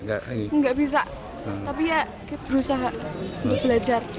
nggak bisa tapi ya berusaha untuk belajar